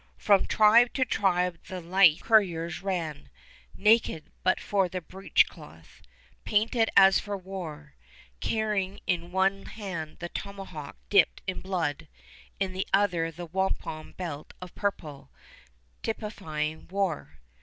From tribe to tribe the lithe coureurs ran, naked but for the breechcloth, painted as for war, carrying in one hand the tomahawk dipped in blood, in the other the wampum belt of purple, typifying war.